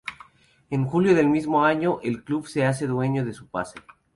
En julio del mismo año, el club se hace dueño de su pase